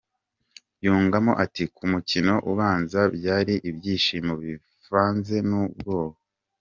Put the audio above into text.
Yungamo ati ’’Ku mukino ubanza byari ibyishimo bivanze n’ubwoba.